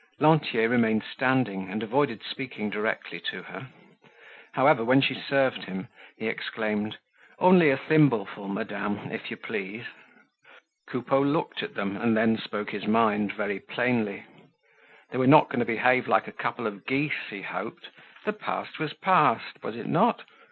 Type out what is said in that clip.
Lantier remained standing and avoided speaking directly to her. However, when she served him, he exclaimed: "Only a thimbleful, madame, if you please." Coupeau looked at them and then spoke his mind very plainly. They were not going to behave like a couple of geese he hoped! The past was past was it not?